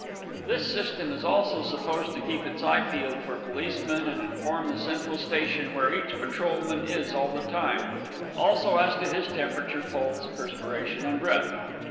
This system is also supposed to keep its eye peeled for policemen and inform the central station where each patrolman is all the time; also as to his temperature, pulse, perspiration and breath.